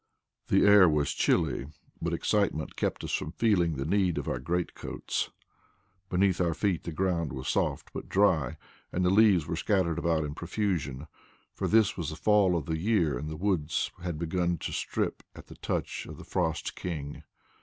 The air was chilly, but excitement kept us from feeling the need of our great coats. Beneath our feet the ground was soft but dry, and the leaves were scattered about in profusion; for this was the fall of the year and the woods had begun to strip at the touch of the frost king.